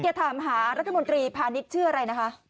อย่าถามหารัฐมนตรีพาณิชช์เชื่ออะไรนะครับ